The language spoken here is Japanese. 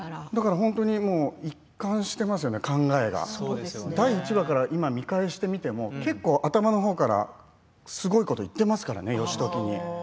本当に一貫してますよね、考えが第１話から見返してみても結構頭の方からすごいこと言ってますからね義時に。